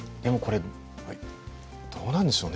どうなんでしょうね？